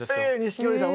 錦織さん